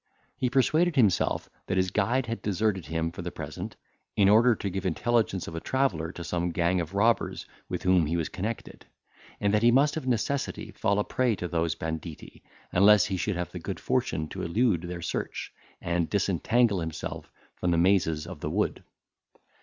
He persuaded himself that his guide had deserted him for the present, in order to give intelligence of a traveller to some gang of robbers with whom he was connected; and that he must of necessity fall a prey to those banditti, unless he should have the good fortune to elude their search, and disentangle himself from the mazes of the wood.